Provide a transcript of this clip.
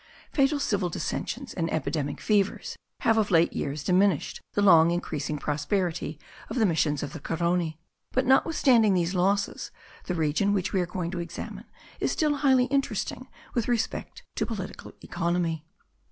Fatal civil dissensions and epidemic fevers have of late years diminished the long increasing prosperity of the missions of the Carony; but, notwithstanding these losses, the region which we are going to examine is still highly interesting with respect to political economy.